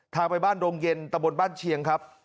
ทางไปบ้านดงเย็นตะบนบ้านเชียงครับ